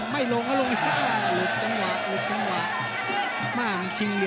ไม่ลงก็ลงอย่างนั้นหลุดจังหวะหลุดจังหวะ